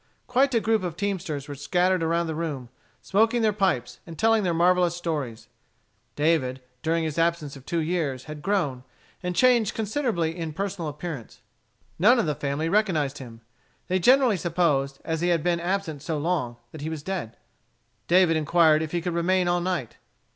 Quite a group of teamsters were scattered around the room, smoking their pipes, and telling their marvellous stories. David, during his absence of two years, had grown, and changed considerably in personal appearance. None of the family recognized him. They generally supposed, as he had been absent so long, that he was dead. David inquired if he could remain all night.